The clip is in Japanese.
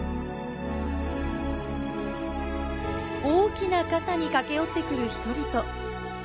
大きな傘に駆け寄ってくる人々。